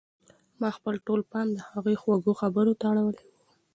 ما خپل ټول پام د هغې خوږو خبرو ته اړولی و.